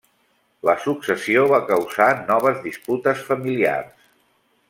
La successió va causar noves disputes familiars.